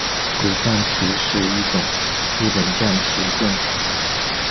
鬼将棋是一种日本将棋变体。